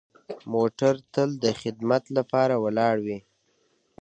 موټر تل د خدمت لپاره ولاړ وي.